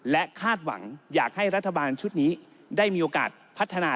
และคาดหวังอยากให้รัฐบาลชุดนี้ได้มีโอกาสพัฒนา